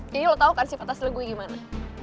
jadi lo tau kan sifat asli gue gimana